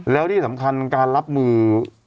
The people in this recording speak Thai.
แล้วที่สำคัญการรับมือ